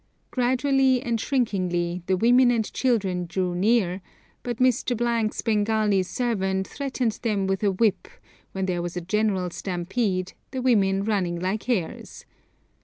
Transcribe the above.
Gradually and shrinkingly the women and children drew near; but Mr. 's Bengali servant threatened them with a whip, when there was a general stampede, the women running like hares.